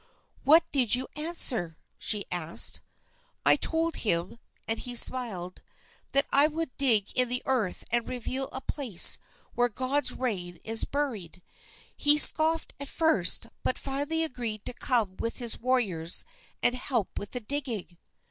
"What did you answer?" she asked. "I told him," and he smiled, "that I would dig in the earth and reveal a place where God's rain is buried. He scoffed at first, but finally agreed to come with his warriors and help with the digging."